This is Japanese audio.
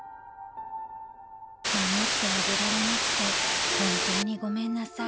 ［「守ってあげられなくて本当にごめんなさい」］